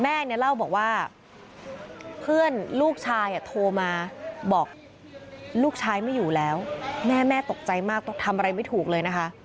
แม่เนี่ยเล่าบอกว่าเพื่อนลูกชายโทรมาบอกลูกชายไม่อยู่แล้วแม่แม่ตกใจมากทำอะไรไม่ถูกเลยนะคะ